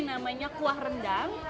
ini namanya kuah rendang